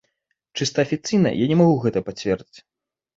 Чыста афіцыйна я не магу гэта пацвердзіць.